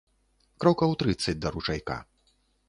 Крокаў трыццаць да ручайка.